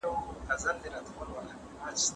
قانون به دا برخه تنظیم کړي.